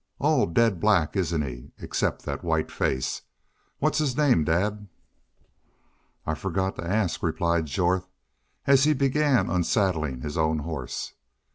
All daid black, isn't he, except that white face? What's his name, dad? "I forgot to ask," replied Jorth, as he began unsaddling his own horse.